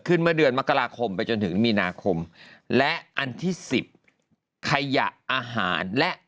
เมื่อเดือนมกราคมไปจนถึงมีนาคมและอันที่สิบขยะอาหารและ